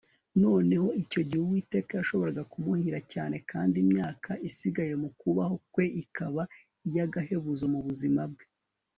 Noneho icyo gihe Uwiteka yashoboraga kumuhira cyane kandi imyaka isigaye mu kubaho kwe ikaba iyagahebuzo mu buzima bwe